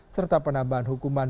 serta penambahan hukuman